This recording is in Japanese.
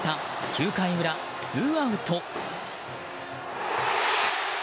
９回裏ツーアウト。